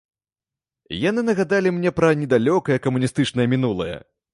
Яны нагадалі мне пра недалёкае камуністычнае мінулае.